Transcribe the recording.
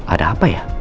ada apa ya